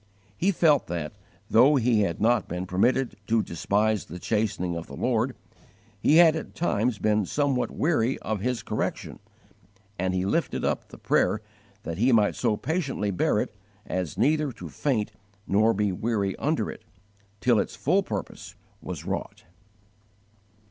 He felt that, though he had not been permitted to "despise the chastening of the Lord," he had at times been somewhat "weary of His correction," and he lifted up the prayer that he might so patiently bear it as neither to faint nor be weary under it, till its full purpose was wrought.